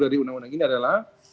dari undang undang ini adalah